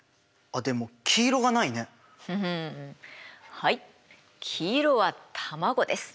はい黄色は卵です。